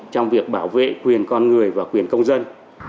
trong việc bảo vệ quyền con người và quyền công dân